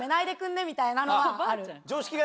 みたいなのはある。